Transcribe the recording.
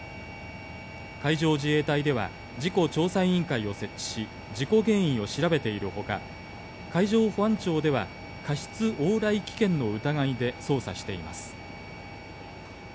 海上自衛隊では、事故調査委員会を設置し、事故原因を調べているほか、海上保安庁では、過失往来危険の疑いで捜査しています。